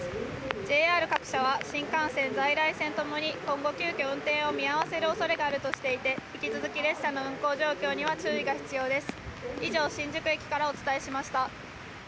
ＪＲ各社は新幹線、在来線ともに今後、急きょ運転を見合わせるおそれがあるとしていて、引き続き列車の運行状況には注意が必要です。